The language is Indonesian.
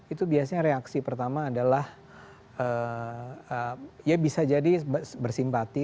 itu biasanya reaksi pertama adalah ya bisa jadi bersimpati